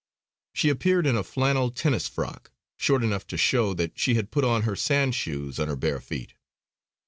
She appeared in a flannel tennis frock, short enough to show that she had put on her sand shoes on her bare feet.